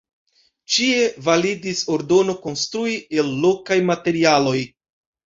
Ĉie validis ordono konstrui el lokaj materialoj.